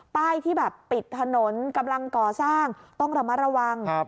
ที่แบบปิดถนนกำลังก่อสร้างต้องระมัดระวัง